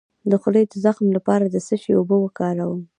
د خولې د زخم لپاره د څه شي اوبه وکاروم؟